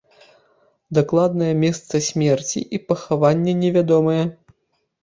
Дакладнае месца смерці і пахавання невядомыя.